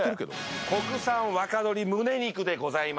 国産若鶏ムネ肉でございます。